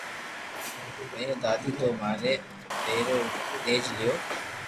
پيئا دآئئي تو ماري ٻينو رو ڌيج ليو